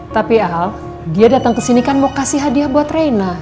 tapi al dia datang kesini kan mau kasih hadiah buat rena